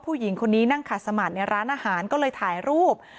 ผู้หญิงคนนี้นั่งขัดสมาธิในร้านอาหารก็เลยถ่ายรูป